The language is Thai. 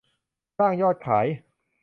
สร้างยอดขาย